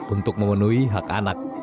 untuk memenuhi hak anak